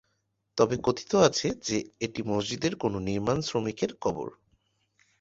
তবে কথিত আছে যে এটি মসজিদের কোন নির্মাণ শ্রমিকের কবর।